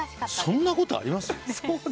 そんなことあります？